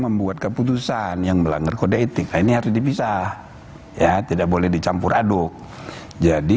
membuat keputusan yang melanggar kode etik ini harus dipisah ya tidak boleh dicampur aduk jadi